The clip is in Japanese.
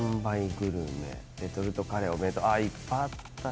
レトルトカレーお弁当いっぱいあったね。